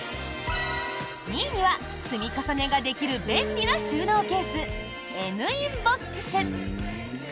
２位には、積み重ねができる便利な収納ケースＮインボックス。